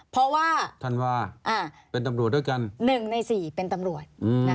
เพราะว่า๑ใน๔เป็นตำรวจ